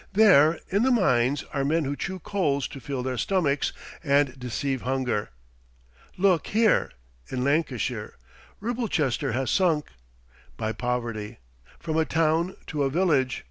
There, in the mines, are men who chew coals to fill their stomachs and deceive hunger. Look here! in Lancashire, Ribblechester has sunk, by poverty, from a town to a village.